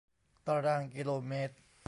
ตางรางกิโลเมตร